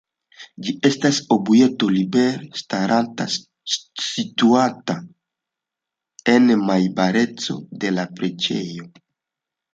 Ĝi estas objekto libere staranta, situanta en najbareco de la preĝejo.